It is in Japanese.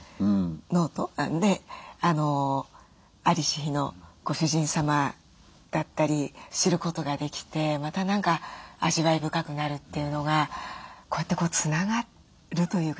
ノートで在りし日のご主人様だったり知ることができてまた何か味わい深くなるというのがこうやってつながるというかね